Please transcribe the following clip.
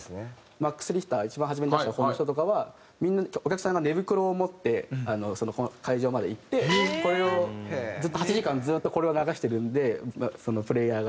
マックス・リヒター一番初めに出した方の人とかはみんなお客さんが寝袋を持ってその会場まで行ってこれを８時間ずっとこれを流してるんでプレイヤーが。